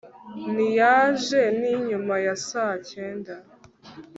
ntiyaje. ni nyuma ya saa cyenda